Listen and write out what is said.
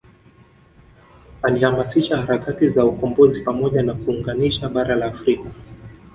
Alihamasisha harakati za ukombozi pamoja na kuunganisha bara la Afrika